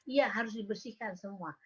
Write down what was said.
iya harus dibersihkan semua